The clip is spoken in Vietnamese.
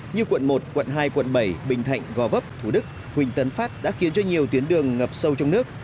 như quận một quận hai quận bảy bình thạnh gò vấp thủ đức huỳnh tấn phát đã khiến cho nhiều tuyến đường ngập sâu trong nước